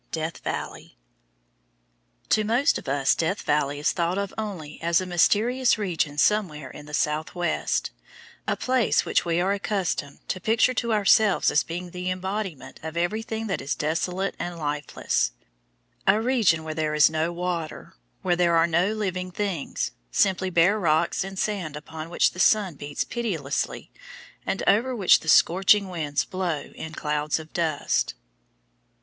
DEATH VALLEY To most of us Death Valley is thought of only as a mysterious region somewhere in the Southwest, a place which we are accustomed to picture to ourselves as being the embodiment of everything that is desolate and lifeless, a region where there is no water, where there are no living things, simply bare rocks and sand upon which the sun beats pitilessly and over which the scorching winds blow in clouds of dust.